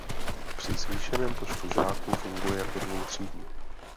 Při zvýšeném počtu žáků funguje jako dvoutřídní.